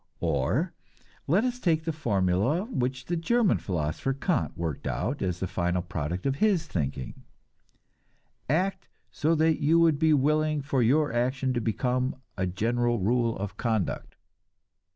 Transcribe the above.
Or let us take the formula which the German philosopher Kant worked out as the final product of his thinking: "Act so that you would be willing for your action to become a general rule of conduct."